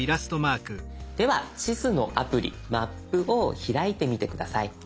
では地図のアプリ「マップ」を開いてみて下さい。